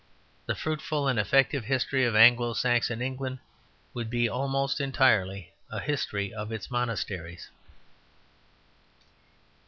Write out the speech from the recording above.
The fruitful and effective history of Anglo Saxon England would be almost entirely a history of its monasteries.